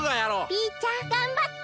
ピーちゃんがんばって。